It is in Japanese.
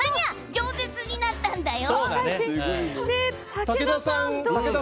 じょう舌になったんだよ。